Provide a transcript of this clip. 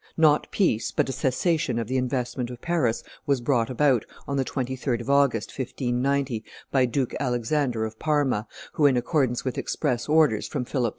Not peace, but a cessation of the investment of Paris, was brought about, on the 23d of August, 1590, by Duke Alexander of Parma, who, in accordance with express orders from Philip II.